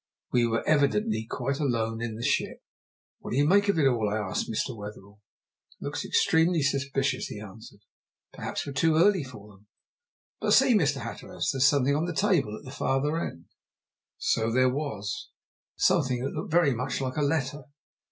We were evidently quite alone in the ship. "What do you make of it all?" I asked of Mr. Wetherell. "It looks extremely suspicious," he answered. "Perhaps we're too early for them. But see, Mr. Hatteras, there's something on the table at the farther end." So there was something that looked very much like a letter.